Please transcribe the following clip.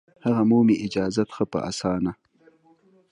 هغه مومي اجازت ښه په اسانه